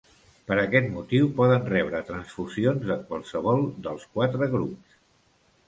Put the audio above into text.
Per aquest motiu poden rebre transfusions de qualsevol dels quatre grups.